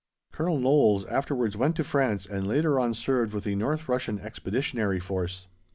Colonel Knowles afterwards went to France and later on served with the North Russian Expeditionary Force.